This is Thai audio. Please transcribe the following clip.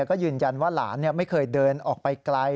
ก็ยืนยันว่าหลานไม่เคยเดินออกไปไกล